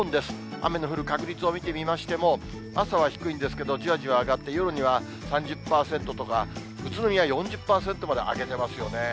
雨の降る確率を見てみましても、朝は低いんですけど、じわじわ上がって、夜には３０％とか、宇都宮は４０％まで上げてますよね。